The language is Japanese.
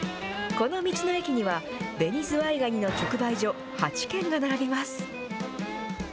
この道の駅には、ベニズワイガニの直売所８軒が並びます。